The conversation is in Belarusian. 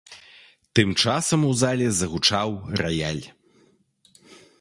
Тым часам у зале загучаў раяль.